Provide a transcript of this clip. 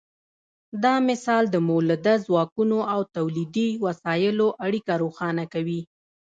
دا مثال د مؤلده ځواکونو او تولیدي وسایلو اړیکه روښانه کوي.